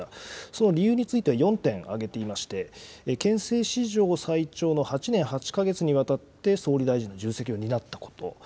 その理由について４点挙げていまして、憲政史上最長の８年８か月にわたって総理大臣の重責を担ったこと。